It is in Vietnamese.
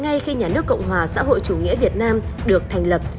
ngay khi nhà nước cộng hòa xã hội chủ nghĩa việt nam được thành lập